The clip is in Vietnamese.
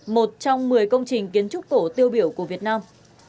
một trong một mươi công trình kiến trúc cổ tiêu biểu của việt nam